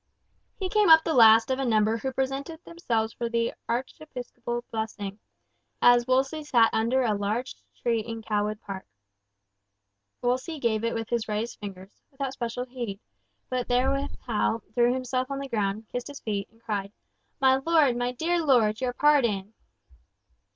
He came up the last of a number who presented themselves for the Archiepiscopal blessing, as Wolsey sat under a large tree in Cawood Park. Wolsey gave it with his raised fingers, without special heed, but therewith Hal threw himself on the ground, kissed his feet, and cried, "My lord, my dear lord, your pardon."